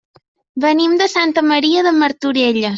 Venim de Santa Maria de Martorelles.